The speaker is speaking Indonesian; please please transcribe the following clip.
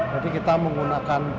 jadi kita menggunakan